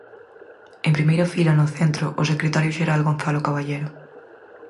En primeira fila, no centro, o secretario xeral Gonzalo Caballero.